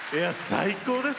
最高です。